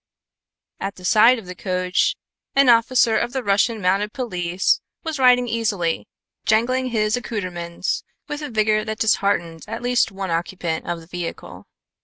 At the side of the coach an officer of the Russian mounted police was riding easily, jangling his accoutrements with a vigor that disheartened at least one occupant of the vehicle.